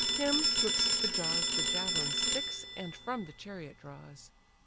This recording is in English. Him 'twixt the jaws, The javelin sticks, and from the chariot draws.